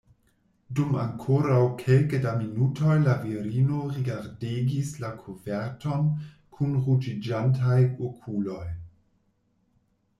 Dum ankoraŭ kelke da minutoj la virino rigardegis la koverton kun ruĝiĝantaj okuloj.